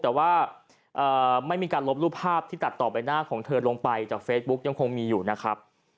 แต่ว่าไม่มีการลบรูปภาพที่ตัดต่อใบหน้าของเธอลงไปจากเฟซบุ๊กยังคงมีอยู่นะครับ